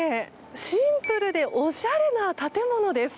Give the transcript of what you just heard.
シンプルでおしゃれな建物です。